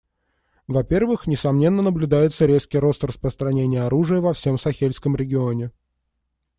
Во-первых, несомненно, наблюдается резкий рост распространения оружия во всем Сахельском регионе.